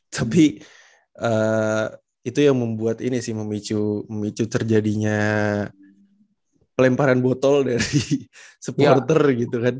tapi itu yang membuat ini sih memicu terjadinya pelemparan botol dari supporter gitu kan